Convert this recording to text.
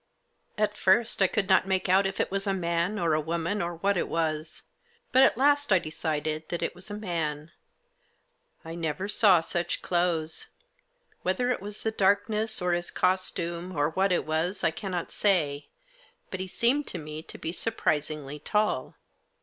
At first I could not make out if it was a man or woman or what it was. But at last I decided that it was a man. I never saw such clothes. Whether it was the darkness, or his costume, or what it was, I cannot say, but he seemed to me to be surprisingly tall.